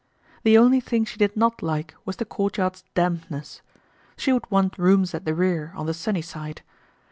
The only thing she did not like was the courtyard's dampness. She would want rooms at the rear, on the sunny side.